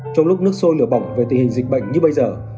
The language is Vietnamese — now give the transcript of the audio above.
trong lúc nước sôi lửa bỏng về tình hình dịch bệnh như bây giờ